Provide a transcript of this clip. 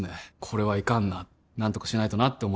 これはいかんな何とかしないとなって思いますよね